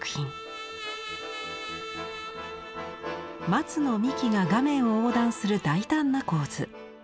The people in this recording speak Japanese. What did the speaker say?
松の幹が画面を横断する大胆な構図。